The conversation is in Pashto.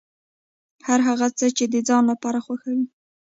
هر هغه څه چې د ځان لپاره خوښوې.